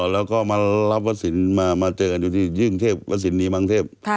แล้วก็มารับวัสสินมาเจอกันอยู่ที่ยิ่งเทพวสินหนีมังเทพ